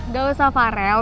gak usah farel